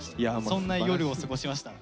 そんな夜を過ごしました。